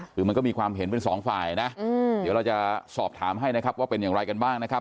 คือมันก็มีความเห็นเป็นสองฝ่ายนะเดี๋ยวเราจะสอบถามให้นะครับว่าเป็นอย่างไรกันบ้างนะครับ